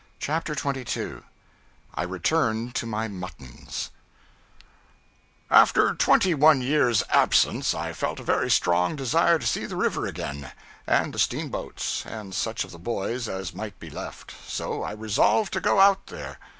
CHAPTER 22 I Return to My Muttons AFTER twenty one years' absence, I felt a very strong desire to see the river again, and the steamboats, and such of the boys as might be left; so I resolved to go out there.